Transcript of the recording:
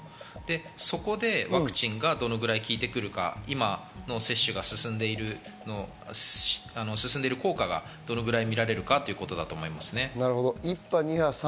そこでワクチンがどれぐらい効いてくるか、今、接種が進んでいる効果がどれくらい見られるかということだと思います。